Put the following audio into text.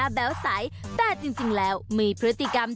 แชร์แรกแยกไว้ก่อน